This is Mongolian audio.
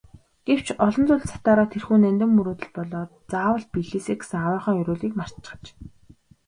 Гэвч олон зүйлд сатаараад тэрхүү нандин мөрөөдөл болоод заавал биелээсэй гэсэн аавынхаа ерөөлийг мартчихаж.